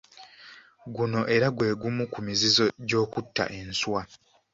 Guno era gwe gumu ku mizizo gy’okutta enswa.